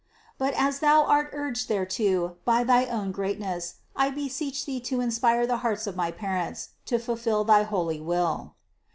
But as Thou art urged thereto by thy own greatness, I beseech Thee to inspire the hearts of my parents to fulfill thy holy will."